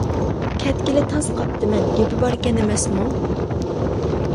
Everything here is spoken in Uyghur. كەتكىلى تاس قاپتىمەن، گېپى باركەن ئەمەسمۇ.